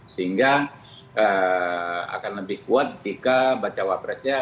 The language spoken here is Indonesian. sehingga akan lebih kuat jika baca wapresnya